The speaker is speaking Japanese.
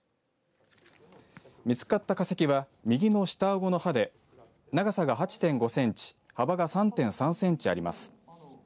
見つかった化石は右の下あごの歯で長さが８．５センチ幅が３．３センチあります。